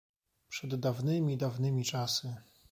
"Przed dawnymi, dawnymi czasy?"